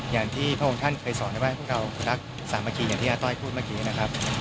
อย่างที่พระองค์ท่านเคยสอนในบ้านพวกเรารักสามัคคีอย่างที่อาต้อยพูดเมื่อกี้นะครับ